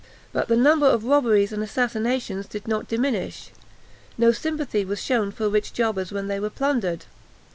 But the number of robberies and assassinations did not diminish; no sympathy was shewn for rich jobbers when they were plundered.